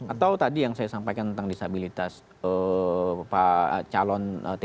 atau tadi yang saya sampaikan tentang disabilitas calon t b hasan udin gitu ya